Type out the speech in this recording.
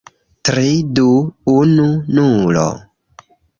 Tri... du... unu... nulo